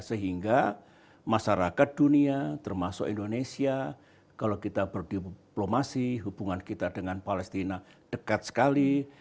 sehingga masyarakat dunia termasuk indonesia kalau kita berdiplomasi hubungan kita dengan palestina dekat sekali